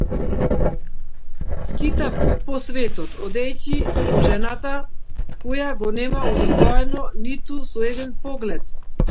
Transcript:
Скита по светот, одејќи по жената која го нема удостоено ниту со еден поглед.